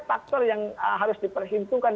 faktor yang harus diperhitungkan